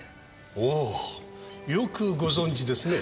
おぉよくご存じですね。